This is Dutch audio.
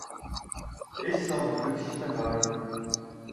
Deze zal haar functies behouden.